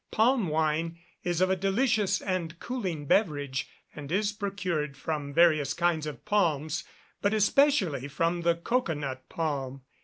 Palm wine is a delicious and cooling beverage, and is procured from various kinds of palms, but especially from the cocoa nut palm.